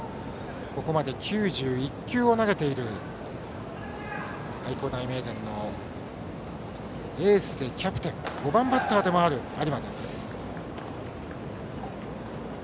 ここまで９１球を投げている愛工大名電のエースでキャプテン５番バッターでもある有馬です。